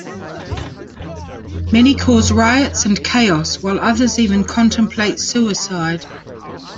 Many cause riots and chaos, while others even contemplate suicide.